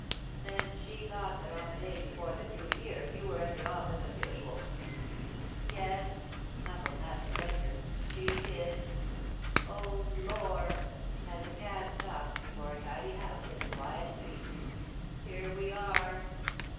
"Then she thought that on the day before the New Year you were at the office as usual?" "Yes," snuffled Master Benker, "she did. Oh, Lor'!" as the cab stopped before a tidy house in a quiet street, "here we are."